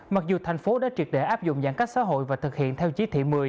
mặc dù thành phố đã triệt để áp dụng giãn cách xã hội và thực hiện theo chí thị một mươi